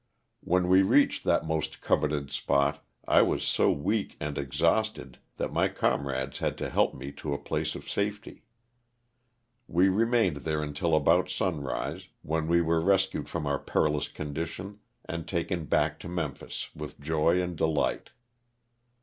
When we reached that most coveted spot I was so weak and exhausted that my comrades had to help me to a place of safety. We remained there until about sunrise, when we were rescued from our perilous condition and taken back to Memphis with joy and delight.